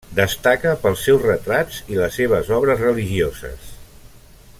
Destaca pels seus retrats i les seves obres religioses.